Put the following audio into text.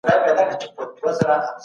امتیاز هغه چاته ورکول کیږي چي وړتیا ولري.